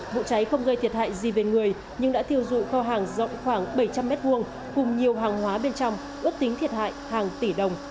vụ cháy không gây thiệt hại gì về người nhưng đã thiêu dụi kho hàng rộng khoảng bảy trăm linh m hai cùng nhiều hàng hóa bên trong ước tính thiệt hại hàng tỷ đồng